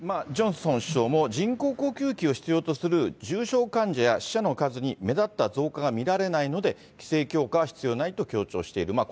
ジョンソン首相も、人工呼吸器を必要とする重症患者や死者の数に目立った増加が見られないので、規制強化は必要ないと強調している。